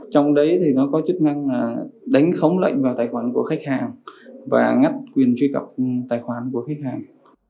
trong đấy thì nó có chức năng là đánh khống lệnh vào tài khoản của khách hàng và ngắt quyền truy cập tài khoản của khách hàng